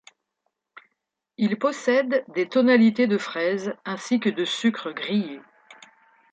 Il possède des tonalités de fraise ainsi que de sucre grillé.